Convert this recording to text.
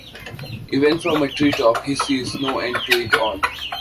Even from a treetop, he sees no end to it all.